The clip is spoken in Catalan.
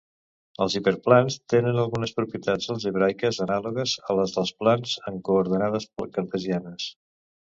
Els hiperplans tenen algunes propietats algèbriques anàlogues a les dels plans en coordenades cartesianes.